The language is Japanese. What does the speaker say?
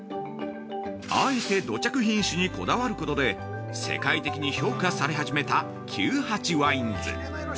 ◆あえて土着品種にこだわることで世界的に評価され始めた９８ＷＩＮＥｓ。